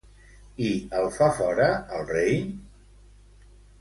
I el fa fora el rei?